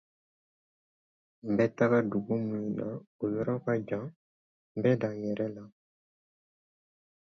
N bɛ taa dugu min na, o yɔrɔ ka jan nbɛda yɛrɛ la